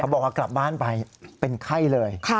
บอกว่ากลับบ้านไปเป็นไข้เลย